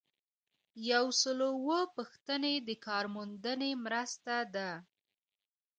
یو سل او اووه پوښتنه د کارموندنې مرسته ده.